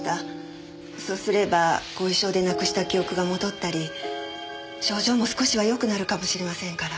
そうすれば後遺症でなくした記憶が戻ったり症状も少しはよくなるかもしれませんから。